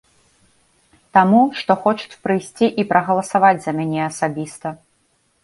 Таму што хочуць прыйсці і прагаласаваць за мяне асабіста.